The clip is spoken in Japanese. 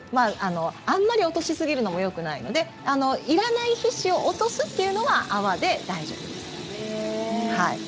あんまり落としすぎるのもよくないのでいらない皮脂を落とすというのは泡で大丈夫です。